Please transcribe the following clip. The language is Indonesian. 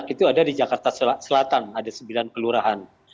itu ada di jakarta selatan ada sembilan kelurahan